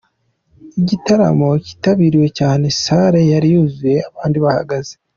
Igitaramo kitabiriwe cyane, salle yari yuzuye abandi bahagaze.